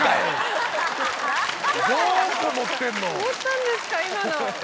盛ったんですか今の。